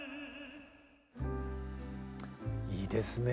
いいですね